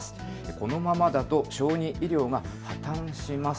このままだと小児医療が破綻します。